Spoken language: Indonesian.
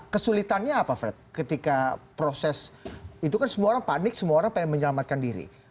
kesulitannya apa fred ketika proses itu kan semua orang panik semua orang pengen menyelamatkan diri